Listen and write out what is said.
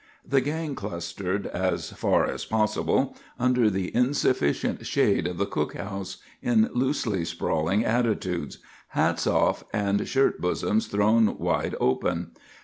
The gang clustered, as far as possible, under the insufficient shade of the cook house, in loosely sprawling attitudes,—hats off and shirt bosoms thrown wide open.